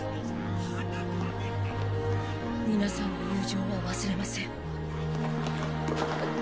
皆さんの友情は忘れません。